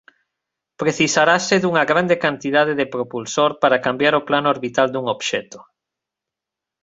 Precisarase dunha grande cantidade de propulsor para cambiar o plano orbital dun obxecto.